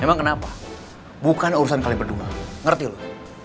emang kenapa bukan urusan kalian berdua ngerti loh